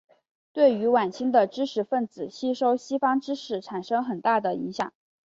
对于晚清的知识分子吸收西方知识产生很大的影响。